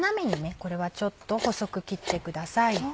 これはちょっと細く切ってください。